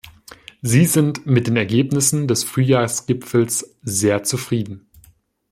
Sie sind mit den Ergebnissen des Frühjahrsgipfels sehr zufrieden.